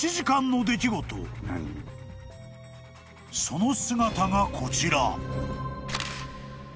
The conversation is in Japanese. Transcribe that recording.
［その姿がこちら］